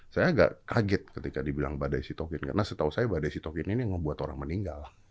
saya agak kaget ketika dibilang badai sitokin karena setahu saya badai sitokin ini yang membuat orang meninggal